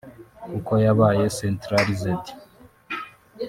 kuko yabaye centralised